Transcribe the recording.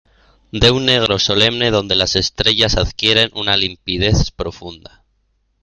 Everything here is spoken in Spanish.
de un negro solemne donde las estrellas adquieren una limpidez profunda.